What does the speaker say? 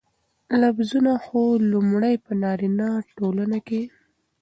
لفظونه خو لومړى په نارينه ټولنه کې